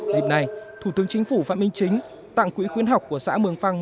dịp này thủ tướng chính phủ phạm minh chính tặng quỹ khuyến học của xã mường phăng